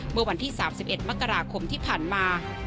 เมื่อวันที่๓๑มกราคมที่ผ่านมา